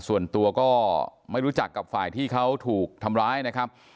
ส่วนตัวก็ไม่รู้จักกับฝ่ายที่เขาถูกทำร้ายนะครับ